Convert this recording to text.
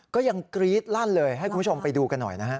ก็ยังกรี๊ดลั่นเลยให้คุณผู้ชมไปดูกันหน่อยนะฮะ